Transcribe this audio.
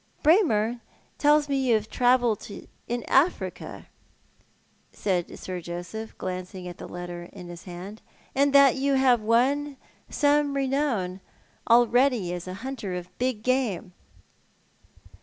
"Braemar tells me you have travelled in Africa," said Sir Joseph, glancing at the letter in his hand, "and that you have won some renown already as a hunter of big game."